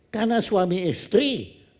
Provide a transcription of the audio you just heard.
karena suami istri justru tidak dipercaya